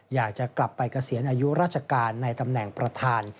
อยากจะกลับไปเกษียณอายุราชการในตำแหน่งประธาน